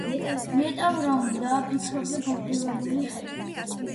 - ნეტავ, რა უნდა? -ფიქრობდა გაკვირვებული ხე.